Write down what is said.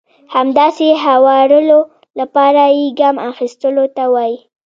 همداسې د هوارولو لپاره يې ګام اخيستلو ته وایي.